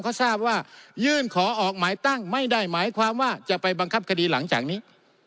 เขาทราบว่ายื่นขอออกหมายตั้งไม่ได้หมายความว่าจะไปบังคับคดีหลังจากนี้